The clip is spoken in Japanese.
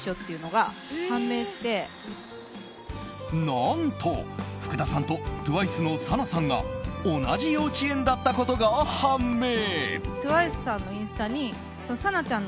何と、福田さんとＴＷＩＣＥのサナさんが同じ幼稚園だったことが判明。